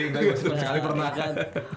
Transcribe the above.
nggak seri seri pernah kan